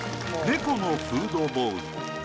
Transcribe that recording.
猫のフードボウル。